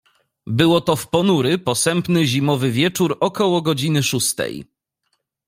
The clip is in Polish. "Było to w ponury, posępny zimowy wieczór około godziny szóstej."